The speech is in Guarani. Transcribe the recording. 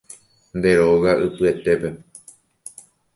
Nde róga ypyetépe